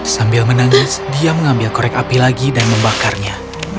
sambil menangis dia mengambil korek api lagi dan membakarnya